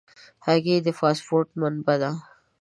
هګۍ د فاسفورس منبع ده.